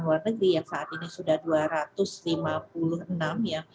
luar negeri yang saat ini sudah dua ratus lima puluh enam ya